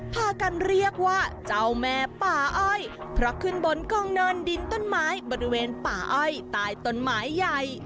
พากันเรียกว่าเจ้าแม่ป่าอ้อยเพราะขึ้นบนกองเนินดินต้นไม้บริเวณป่าอ้อยใต้ต้นไม้ใหญ่